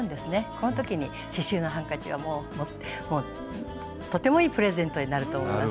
この時に刺しゅうのハンカチはもうとてもいいプレゼントになると思います。